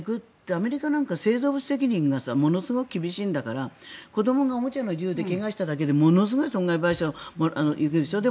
アメリカなんか製造責任がものすごく厳しいんだから子どもがおもちゃの銃で怪我しただけでものすごい損害賠償が行くでしょ。